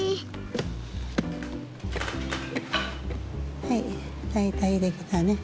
はい大体できたね。